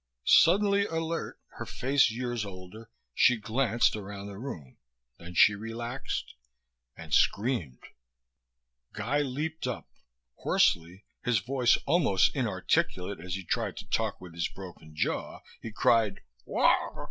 Suddenly alert, her face years older, she glanced around the room. Then she relaxed.... And screamed. Guy leaped up. Hoarsely, his voice almost inarticulate as he tried to talk with his broken jaw, he cried, "Wha ...